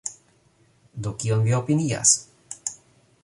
Do kion vi opinias?